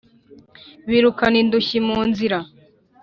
Birukana indushyi mu nzira